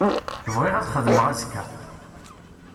Bɣiɣ ad xedmeɣ azekka.